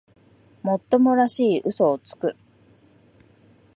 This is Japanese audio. もっともらしい嘘をつく